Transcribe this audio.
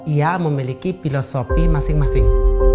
ia memiliki filosofi masing masing